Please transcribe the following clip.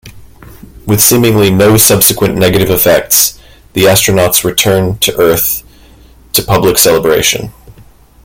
With seemingly no subsequent negative effects, the astronauts return to Earth to public celebration.